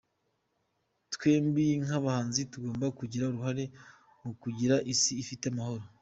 Twebwe nk’abahanzi tugomba kugira uruhare mu kugira isi ifite amahoro.